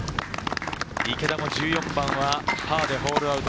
１４番はパーでホールアウト。